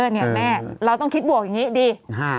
เนี่ยแม่เราต้องคิดบวกอย่างนี้ดี